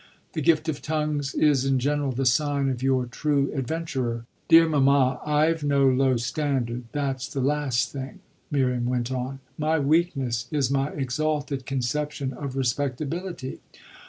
The gift of tongues is in general the sign of your true adventurer. Dear mamma, I've no low standard that's the last thing," Miriam went on. "My weakness is my exalted conception of respectability.